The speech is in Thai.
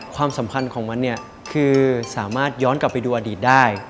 ความสัมพันธ์ของมันเนี่ยคือสามารถย้อนกลับไปดูอดีตได้